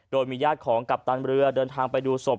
โดยมีญาติของกัปตันเรือเดินทางไปดูศพ